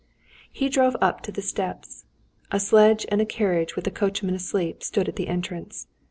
He drove up to the steps. A sledge and a carriage with the coachman asleep stood at the entrance.